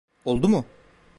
Oldu mu?